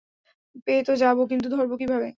পেয়ে তো যাবো, কিন্তু ধরবো কীভাবে?